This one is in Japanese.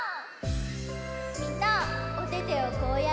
みんなおててをこうやって！